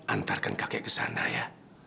antarkan kakek ke sana ya